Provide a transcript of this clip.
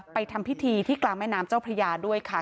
ทำพิธีที่กลางแม่น้ำเจ้าพระยาด้วยค่ะ